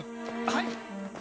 はい。